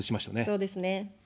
そうですね。